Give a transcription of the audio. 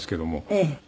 ええ。